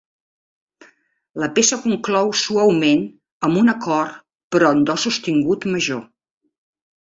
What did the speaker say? La peça conclou suaument amb un acord però en do sostingut major.